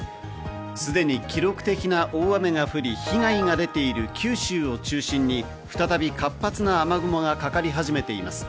すでに記録的な大雨が降り被害が出ている九州を中心に、再び活発な雨雲がかかり始めています。